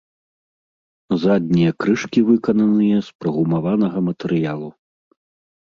Заднія крышкі выкананыя з прагумаванага матэрыялу.